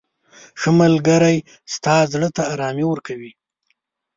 • ښه ملګری ستا زړه ته ارامي ورکوي.